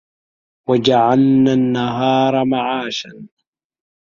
وَجَعَلنَا النَّهارَ مَعاشًا